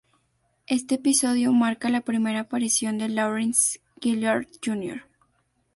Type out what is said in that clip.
Este episodio marca la primera aparición de Lawrence Gilliard Jr.